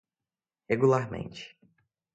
regularmente